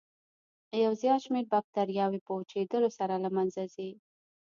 یو زیات شمېر باکتریاوې په وچېدلو سره له منځه ځي.